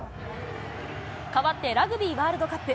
かわってラグビーワールドカップ。